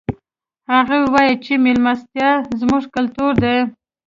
هغوی وایي چې مېلمستیا زموږ کلتور ده